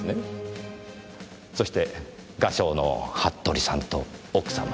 そして画商の服部さんと奥様。